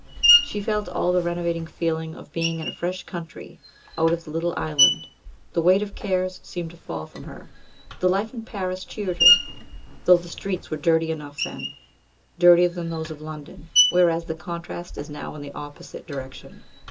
She felt all the renovating feeling of being in a fresh country out of the little island ; the weight of cares seemed to fall from her; the life in Paris cheered her, though the streets were dirty enough then dirtier than those of London ; whereas the contrast is now in the opposite direction.